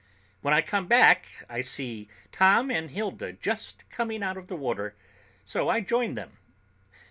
When I come back, I see Tom and Hilda just coming out of the water, so I join them.